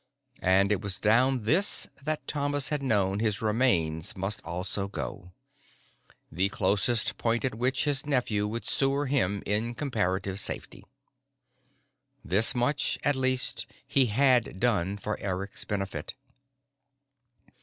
And it was down this that Thomas had known his remains must also go the closest point at which his nephew could sewer him in comparative safety. This much, at least, he had done for Eric's benefit.